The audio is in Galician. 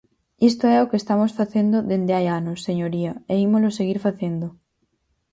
Isto é o que estamos facendo dende hai anos, señoría, e ímolo seguir facendo.